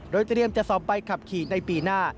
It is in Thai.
โดยเตรียมจะสอบใบขับขี่ในปีหน้า